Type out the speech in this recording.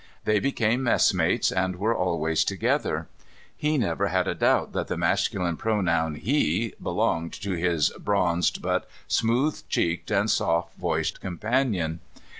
They became messmates, and were always together. He never had a doubt that the masculine pronoun, he, belonged to his bronzed but smooth cheeked and soft voiced companion.